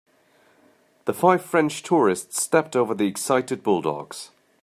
The five French tourists stepped over the excited bulldogs.